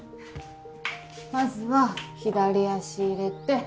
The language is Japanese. まずは左足入れて。